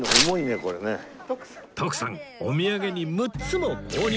徳さんお土産に６つも購入